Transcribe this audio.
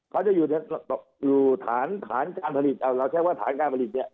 เขาจะอยู่ฐานการผลิตเราใช้ว่าฐานการผลิตเนี่ย